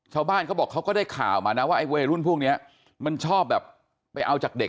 ชาวบ้านเขาบอกเขาก็ได้ข่าวมานะว่าไอ้วัยรุ่นพวกนี้มันชอบแบบไปเอาจากเด็ก